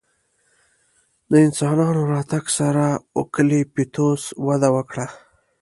د انسانانو راتګ سره اوکالیپتوس وده وکړه.